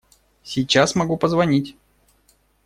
Сейчас могу позвонить.